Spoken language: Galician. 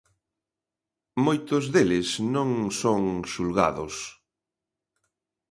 Moitos deles non son xulgados.